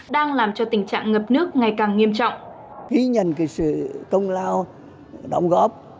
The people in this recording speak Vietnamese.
đang làm cho tình trạng ngập nước ngày càng nghiêm trọng